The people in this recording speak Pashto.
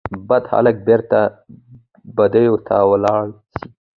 بد هلک بیرته بدیو ته ولاړ سي